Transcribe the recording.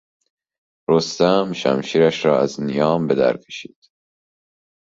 رستم شمشیرش را از نیام به در کشید.